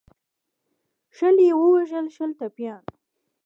شل یې ووژل شل ټپیان.